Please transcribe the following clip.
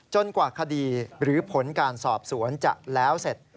กว่าคดีหรือผลการสอบสวนจะแล้วเสร็จ